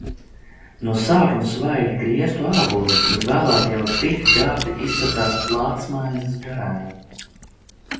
No sākuma svaigi grieztu ābolu, bet vēlāk jau tik gardi izceptās plātsmaizes garaiņi.